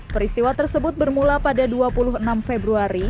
peristiwa tersebut bermula pada dua puluh enam februari